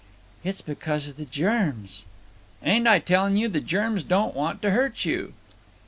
"It's because of the germs." "Ain't I telling you the germs don't want to hurt you?"